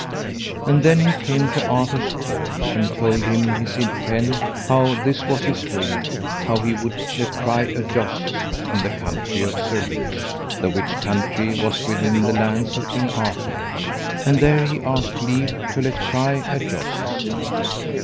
And then he came to Arthur's court and told him his intent, how this was his will, how he would let cry a jousts in the country of Surluse, the which country was within the lands of King Arthur, and there he asked leave to let cry a jousts.